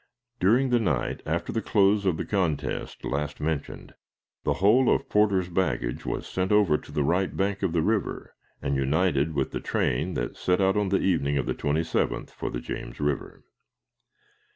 During the night, after the close of the contest last mentioned, the whole of Porter's baggage was sent over to the right bank of the river, and united with the train that set out on the evening of the 27th for the James River.